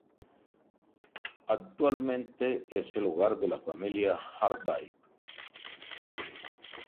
Actualmente es el hogar de la "familia Hart Dyke".